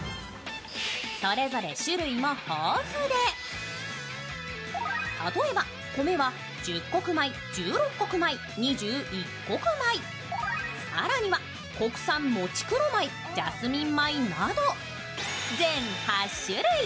それぞれ種類も豊富で、例えば、米は十穀米、十六穀米、二十一穀米、更には国産もち黒米、ジャスミン米など全８種類。